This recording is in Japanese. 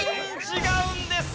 違うんです！